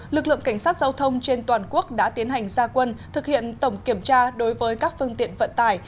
lực lượng cảnh sát giao thông trên toàn quốc đã tiến hành gia quân thực hiện tổng kiểm tra đối với các phương tiện vận tải